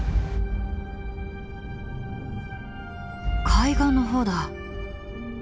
「海岸の方だ。